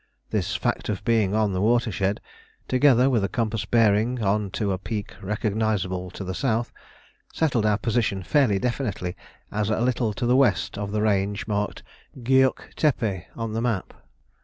This fact of being on the watershed, together with a compass bearing on to a peak recognisable to the south, settled our position fairly definitely as a little to the west of the range marked Gueuk Tepe on the map.